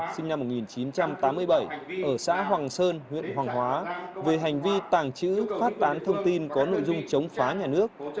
sinh năm một nghìn chín trăm tám mươi bảy ở xã hoàng sơn huyện hoàng hóa về hành vi tàng trữ phát tán thông tin có nội dung chống phá nhà nước